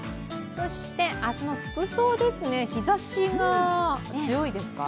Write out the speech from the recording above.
明日の服装ですね、日ざしが強いですか？